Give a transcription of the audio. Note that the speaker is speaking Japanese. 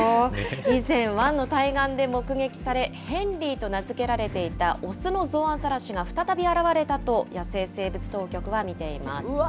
以前、湾の対岸で目撃され、ヘンリーと名付けられていた雄のゾウアザラシが再び現れたと、野生生物当局は見ています。